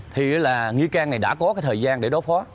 thì là nghi can này đã có cái thời gian để đối phó